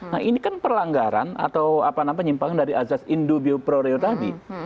nah ini kan perlanggaran atau apa namanya nyimpang dari azaz indubio proreo tadi